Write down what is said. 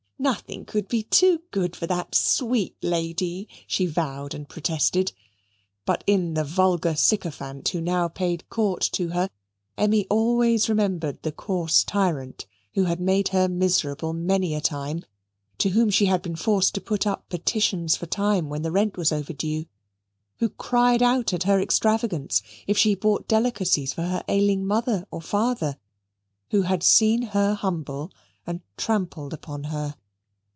Nothing could be too good for that sweet lady, she vowed and protested. But in the vulgar sycophant who now paid court to her, Emmy always remembered the coarse tyrant who had made her miserable many a time, to whom she had been forced to put up petitions for time, when the rent was overdue; who cried out at her extravagance if she bought delicacies for her ailing mother or father; who had seen her humble and trampled upon her.